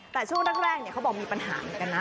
แต่ช่วงแรกเขาบอกมีปัญหาเหมือนกันนะ